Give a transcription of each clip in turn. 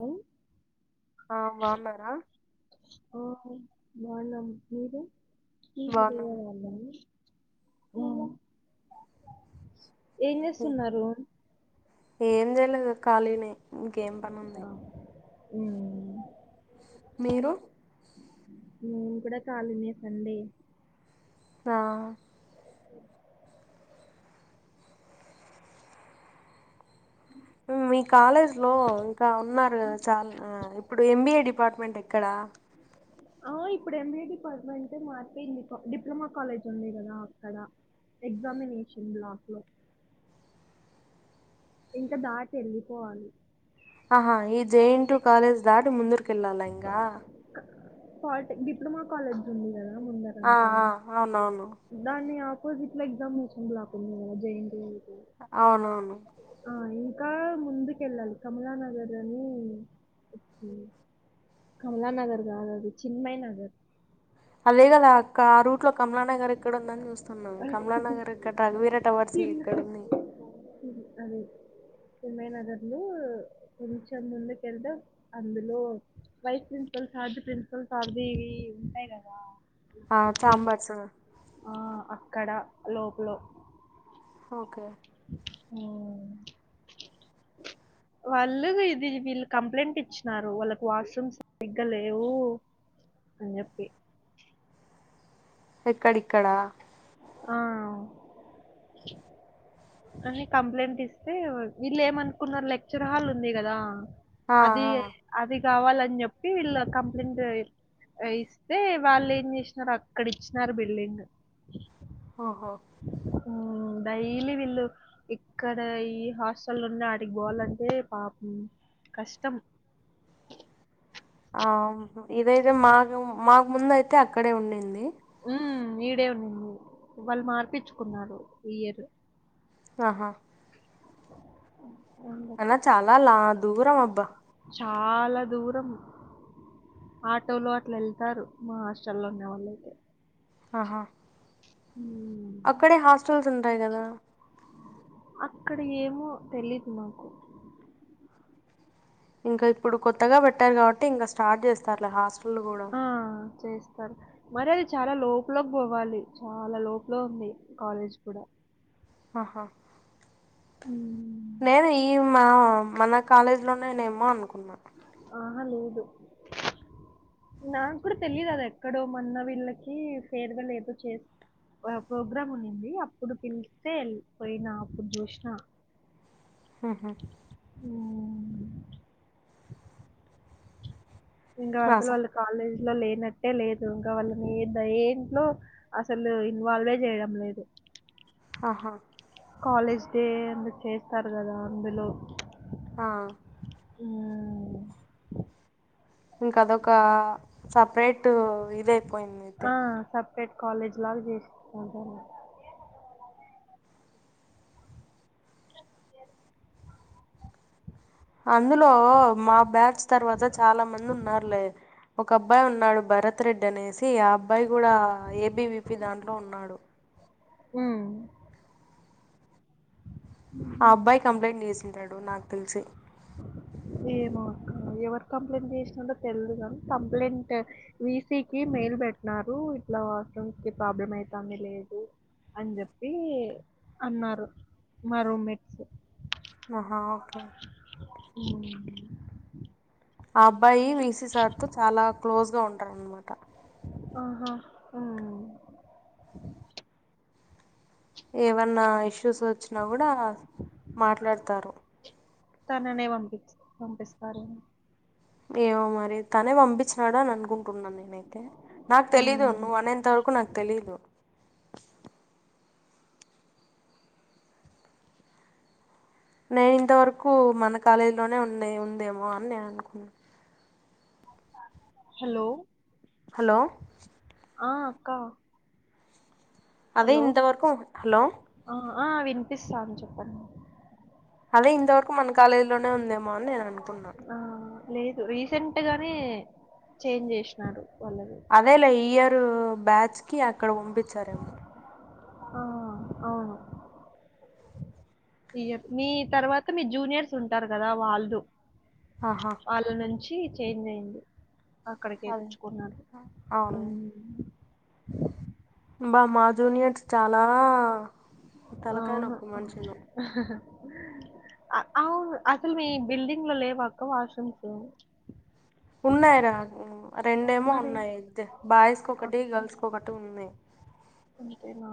హ్ ఆ బాగున్నారా ఆ బాగున్నాం మీరు బాగున్నాం [unintelligible] ఏం చేస్తున్నారు ఏం జేయలేదు ఖాళీగనే ఆ మ్ మీరు నేను కూడా ఖాళీనే సండే ఆ మీ కాలేజ్ లో ఇంకా ఉన్నారు చాలా ఇ ఇప్పుడు ఎం బీ ఏ డిపార్ట్మెంట్ ఏక్కడ ఆ ఇప్పుడు ఎం బీ ఏ డిపార్ట్మెంట్ మారిపోయింది డిప్లొమా కాలేజ్ ఉంది కదా అక్కడ ఎగ్జామినేషన్ ఎసిండు బ్లాక్ ఇంకా దాటి వెళ్ళి పోవాలి ఆహా ఈ జేన్ టు యు కాలేజ్ దాటి ముందటి కిల్లల ఇంగా ఫటిక్ డిప్లొమా కాలేజ్ ఉంది. కదా ముందర ఆ ఆ అవునవును దాన్ని ఆపోజిట్ లో ఎగ్జామినేషన్ బ్లాకు ఉంది కదా జే న్ టీ యు అవునవును ఆ ఇంకా ముందుక వెళ్ళాలి కమలా నగర్ అని కమలా నగర్ కాదు అది చిన్మయ్ నగర్ అదే కదా ఆ రూట్ లో కమలానగర్ ఇక్కడ ఉందని చూస్తున్నా కమలా నగర్ ఇక్కడ రఘువీర టవర్స్ ఇక్కడూమ్ ది అదే చిన్మయి నగర్ల కొంచెం ముందుకు ఎల్త అందులో వైస్ ప్రిన్సిపల్ సార్ది ప్రిన్సిపల్స సర్ది ఇవి ఉంటాయి కదా అ [unintelligible] ఆ అక్కడ లోపల ఓకే హ్ వాళ్ళు ఇది వీళ్ళు కంప్లైంట్ ఇచ్చినారు వాళ్ళకి వాష్రూమ్స్ సరీగ్గ లేవు అ జేప్పి ఎక్కడిక్కడా ఆ అని కంప్లైంట్ ఇస్తే వీళ్ళు ఏమనుకున్నారు. లెక్చర్ హాల్ ఉంది కదా ఆ అది ఆ అది కావాలని చెప్పి వీళ్ళు కంప్లైంట్ ఇస్తే వాళ్ళు ఏం చేసినారు అక్కడ ఇచ్చినారు బిల్డింగ్ ఓహో ఉ డైలీ విల్లు ఇక్కడ ఈ హాస్టల్ నుం ఆడికి పోవాలంటే పాపం కష్టం. ఆం ఇదైతే మాకు మాకు ముంద అయితే అక్కడే ఉండింది. ఉమ్మ్ ఈడే ఉంది వాళ్ళు మార్పిచ్చుకున్నారు ఈ ఇయర్. ఆహా అందుకు అనా చాలా లా దూరం అబ్బా. చాలా దూరం. ఆటోలో అట్లా వెళ్తారు మా హాస్టల్లో ఉన్నవాళ్ళు అయితే. ఆహా ఉమ్మ్ అక్కడే హాస్టల్స్ ఉంటాయి గదా. అక్కడ ఏమో తెలీదు నాకు. ఇంకా ఇప్పుడు కొత్తగా పెట్టారు కాబట్టి ఇంకా స్టార్ట్ చేస్తారులే హాస్టల్ కూడా. ఆ చేస్తారు మరి అది చాలా లోపకి పోవాలి చాలా లోపల ఉంది కాలేజ్ కూడా. ఆహా ఉమ్మ్ నేను ఈ మా మన కాలేజ్ లో నేనేమో అనుకున్నా. ఆహా లేదు నాకు కూడా తెలియదు అది ఎక్కడో మన్న వీళ్ళకి ఫేర్వల్ ఏదో చేసి. ప్రా ప్రోగ్రామ్ ఉనింది అప్పుడు పిలిస్తే వెళ్ళ్ పోయినా అప్పుడు చూసిన. హ్మ్మ్ ఓం ఇంగా అసలు రాసా వాళ్ళు కాలేజీ లో లేనట్టే లేదు ఇంకా వాళ్ళని ద ఏంట్లో. అసలు ఇన్వాల్వే చేయడం లేదు. ఆహా కాలేజ్ డే అందుకే చేస్తారు కదా అందులో. ఆ ఆ ఇంకా అదొక సపరేట్ ఇదై. ఆ సపరేట్ కాలేజ్ లాగా చేసికుంటారు. అందులో మా బ్యాచ్ తర్వాత చాలా మంది ఉన్నారులే. ఒక అబ్బాయి ఉన్నాడు భరత్ రెడ్డి అనేసి ఆ అబ్బాయి కూడా ఏబివిపి దాంట్లో ఉన్నాడు. హ్మ్మ్ ఆ అబ్బాయి కంప్లైంట్ చేసింటాడు నాక్ తెలిసి. ఏమో అక్కా ఎవరు కంప్లైంట్ చేసినాందో తెల్దు కానీ కంప్లైంట్. విసీ కి మెయిల్ పెట్టినారు ఇట్లా వాస్త్రూమ్ కి ప్రాబ్లమ్ అయితుంది లేదు. అని చెప్పి అన్నారు మా రూమేట్స్. ఆహా ఓకే హ్మ్మ్ ఆ అబ్బాయి విసీసార్ తో చాలా క్లోజ్ గా ఉంటారు అనమాట. ఆహా హ్మ్మ్ ఏమన్నా ఇష్యూస్ వచ్చినా కూడా మాట్లాడతారు. తననే పంపించ్ పంపిస్తారు. ఏమో మరి తనే పంపించినడు అని అనుకుంటున్నాను నేనైతే నాకు తెలీదు హ్మ్. నువ్ అనేంత వరకు నాకు తెలీదు నేను ఇంతవరకు మన కాలేజీ లోనే ఉన్నా ఉందేమో అని నేను అనుకున్నాను హలో హలో ఆ అక్క అదే హలో! ఇంతవరకు హలో ఆ ఆ వినిపిస్తాంది చెప్పండి అదే ఇంతవరకు మన కాలేజీ లోనే ఉందేమో నేను అనుకున్నా ఆ లేదు రీసెంట్ గానే చేంజ్ చేసినారు వాళ్ళది అదేలా ఇయర్ బ్యాచ్ కి అక్కడ పంపించారేమో ఆ అవును ఇయర్ మీ తర్వాత మీ జూనియర్స్ ఉంటారు కదా వాళ్ళు ఆహా ఇ నుంచి చేంజ్ అయింది అక్కడి అదే కేపియిచ్చుకున్నారు అవును బా మా జూనియర్స్ చాలా తలకాయ్ అవును నొప్పి మనుషులు అవును అసలు మీ బిల్డింగ్ లో లేవాక్క వాష్రూమ్స్ ఉన్నాయి రా రెండేమో మరి ఉన్నాయి అంతే బాయ్స్ కొకటి గర్ల్స్ కొకటి ఉన్నాయి ఒకటేనా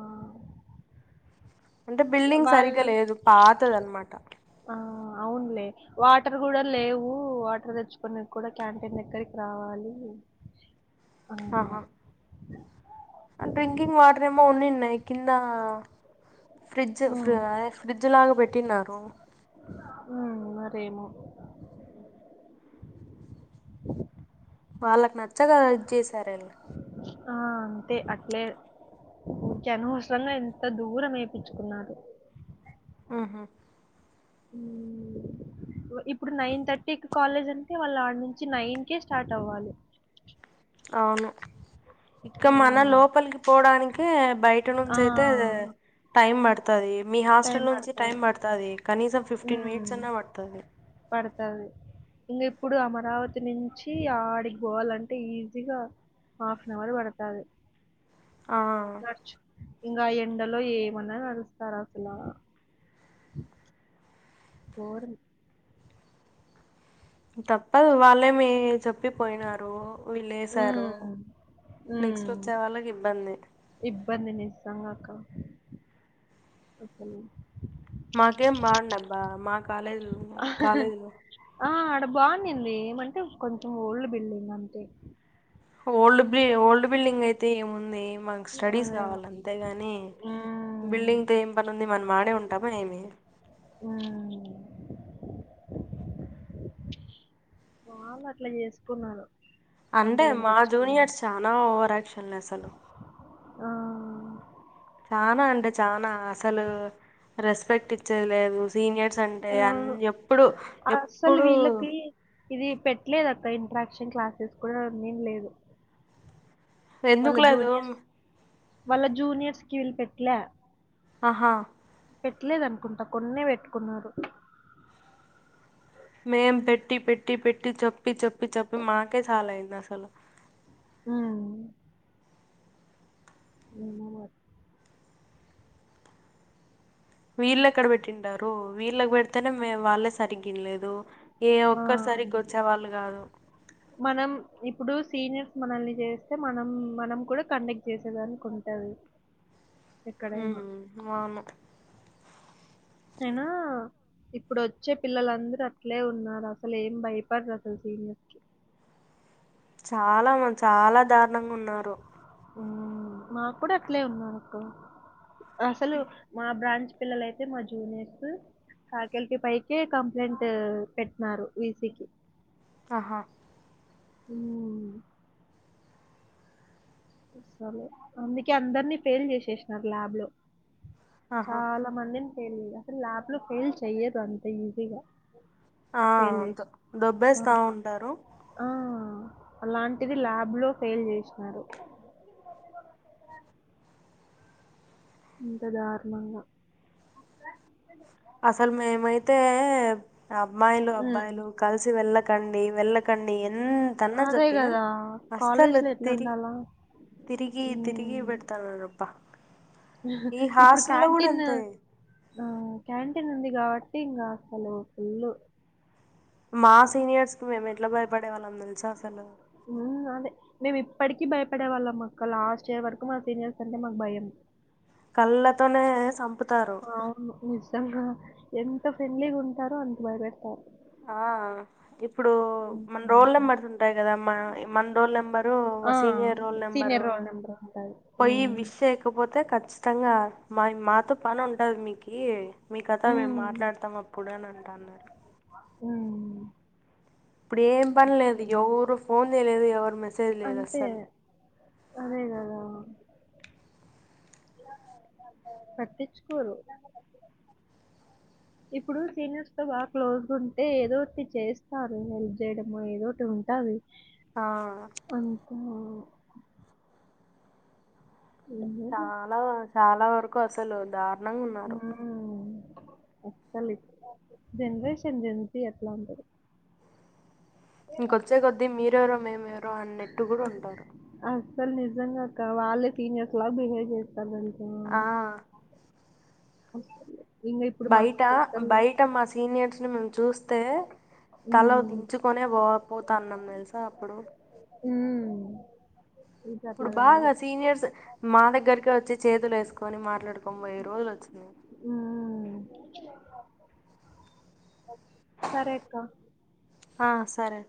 అంటే బిల్డింగ్ సరిగ్గా వాళ్ళు లేదు పాతదనమాట ఆ అవున్లే వాటర్ కూడా లేవు వాటర్ తెచ్చుకునేది కూడా క్యాంటీన్ దగ్గరికి రావాలి అవు ఆహా డ్రింకింగ్ వాటర్ ఏమో ఉన్నిన్నాయ్ కింద ఫ్రిడ్జ్ ఉమ్ అదే ఫ్రిడ్జ్ జులాగ పెట్టిన్నారు ఉ మరేమో వాళ్ళకి నచ్చగా ఇది చేసారండి ఆ అంతే అట్లే ఓకే అనవసరంగా ఎంత దూరం వేపించుకున్నారు ఆహా ఊ ఇప్పుడు నైన్ థర్టీ కాలేజ్ అంటే వాళ్ళు ఆడ నుంచి నైన్ కేే స్టార్ట్ అవ్వాలి [inaudible] అవును ఇక్క మన లోపలికి పోవడానికి బయట ఆ నుంచి అయితే టైం పడుతాది మీ టైం హాస్టల్ నుంచి పడతది టైమ్ పడతాది కనీసం ఫిఫ్టీన్ మినిట్స్ అన్నా పడుతాది పడతాది ఇంకా ఇప్పుడు అమరావతి నుంచి ఆడికి పోవాలంటే ఈజీగా హాఫ్ అన్ అవర్ పడతాది ఆ ఇంకా ఎండలో ఏమన్నా నడుస్తారు అసలు కోర్ తప్పదు వాళ్ళే మీ చెప్పిపోయినారు వీల్లేశారు ఉమ్ నెక్స్ట్ ఉమ్ వచ్చే వాళ్ళకి ఇబ్బంది ఇబ్బంది నిస్సహాక మాకేం బాగుండబ్బా మా కాలేజు కాలేజులు ఆ ఆడ బాగునింది ఏమంటే కొంచెం ఓల్డ్ బిల్డింగ్ అంతే ఓల్డ్ బ్లీ ఓల్డ్ బిల్డింగ్ అయితే ఏముంది మనకు స్టడీస్ అదే గావాల అంతేగాని హ్మ్ బిల్డింగ్తో ఏం పనుంది మన మాడే ఉంటామా ఏమి మ్మ్ వాళ్ళట్ల చేసుకున్నారు అంటే కంప్లైంట్ మా ఇచ్చుకుని జూనియర్స్ చానా ఓవరాక్షన్లే అసలు ఆ చానా అంటే చానా అసలు రెస్పెక్ట్ ఇచ్చేది లేదు సీనియర్స్ అంటే ఆ అన్ ఎప్పుడు అస్సలు ఎప్పుడూ వీళ్ళకి ఇది పెట్లేదక్క ఇంట్రాక్షన్ క్లాసెస్ కూడా నేం లేదు వాళ్ళ ఎందుకు లేదు జూనియర్స్ వాళ్ళ జూనియర్స్ కి వీళ్ళు పెట్లా ఆహా పెట్లేదు అనుకుంటా కొన్నే పెట్టుకున్నారు మేం పెట్టి పెట్టి పెట్టి చెప్పి చెప్పి చెప్పి మాకే చాలా అయింది అసలు ఉమ్ ఉ వీళ్ళెక్కడ పెట్టిండారు వీళ్ళకి పెడితేనే మే వాళ్ళే సరిగ్గినలేదు ఏ ఒక్కర్ ఆ సరిగొచ్చేవాళ్ళు గాదు మనం ఇప్పుడు సీనియర్స్ మనల్ని జేస్తే మనం మనం కూడా కండక్ట్ చేసేదానికుంటది [inaudible] ఆను ఏనా ఇప్పుడొచ్చే పిల్లలందరూ అట్లే ఉన్నారు అసలు ఏం భయపడరు అసలు సీనియర్స్ కి చాలా చాలా దారుణం గున్నారు మ్మ్ మాకు కూడా అట్లే ఉన్నారుకు అసలు మా బ్రాంచ్ పిల్లలైతే మా జూనియర్స్ ఫ్యాకల్టీ పైకే కంప్లైంట్ పెట్నారు వీ సీకి ఆహా ఉ అసలు అందుకే అందర్నీ ఫెయిల్ చేసేసినారు ల్యాబ్ లో ఆహా చాలా మందిని ఫెయిల్ అసలు ల్యాబ్ లో ఫెయిల్ చెయ్యరు అంత ఈజీగా ఆ ఫెయిల్ అంత్ చేసి దొబ్బేస్తా ఆహా! ఉండారు ఆ అలాంటిది ల్యాబ్ లో ఫెయిల్ చేసినారు ఇంత దారుణంగా అసలు మేమైతే అబ్మాయిలు హ్మ్. అబ్బాయిలు కలిసి వెళ్ళకండి వెళ్ళ ఎంతన్న అదే చొప్పినా గదా! అస్సలు కాలేజ్‌లో తిరి ఎట్లుండాలా? తిరిగి తిరిగి హ్మ్. బెడతాననబ్బ ఈ ఇప్పుడు హాస్ల్లో క్యాంటీన్ గుడంతే ఆ క్యాంటీన్ ఉంది గాబట్టి ఇంగ అసలు ఫుల్లు మా సీనియర్స్కి మేము ఎట్ల భయపడే వాళ్ళం దెలుసా అసలు అదే మేము ఇప్పటికీ భయపడే వాళ్ళం అక్క లాస్ట్ ఇయర్ వరకు మా సీనియర్స్ అంటే మాకు భయం కళ్ళతోనే సంపుతారు అవును నిజంగా ఎంత ఫ్రెండ్లీ గుంటారో అంత భయపెడతారు ఆ ఇప్పుడు మన్ రోల్ హుహు. నెంబర్ ఉంటాయి కదామ్మా మన్ roll number senior roll number అంటాది ఊమ్ కొపోతే ఖచ్చితంగా మాయ్ మాతో పని ఉంటద్ మీకీ మీ కత మేమ్ హ్మ్. మాట్లాడతాం అప్పుడు అని అంటన్నారు ఊమ్ ఇప్పుడ్ ఏం పనిలేదు గ్ యెవురు ఫోన్ దేలేదు ఎవర్ మెసేజ్ అంతే. లేదస్సలు అదే గదా పట్టిచుకోరు ఇప్పుడు సీనియర్స్ తో బాగ్ క్లోజ్ గుంటే ఏదోటి చేస్తారు హెల్ప్ జేయడమో ఏదోటి ఉన్ కావి ఆ అంకా లేదు. చాలావ చాలా వరకు అసలు దారుణంగ్ ఉన్నారు ఊమ్ అస్సలి జనరేషన్ జన్ సీ ఎట్లా ఉంటది ఇంకొచ్చే కొద్దీ మీరెవరో మేము ఎవరో అన్నట్టు గూడ్ ఉంటారు అస్సల్ నిజంగాక్క వాళ్ళే సీనియర్స్ లా బిహేవ్ చేస్తారు దెల్సా ఆ అవ్ సలే బయట బయట మా సీనియర్స్ ని మేమ్ చూస్తే కలో హ్మ్. దించుకొనే వో పోతాన్నాం తెలుసా అప్పుడు ఊమ్ ఇప్పుడు బాగా సీనియర్స్ మా దగ్గరకే ఒచ్చి చేతులేసుకొని మాట్లాడుకోన్ బొయ్యే రోజుల్ ఒచ్చినె ఊ సరే క్క ఆ సరే